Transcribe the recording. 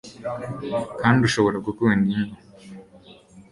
Kandi ushobora gukunda inyo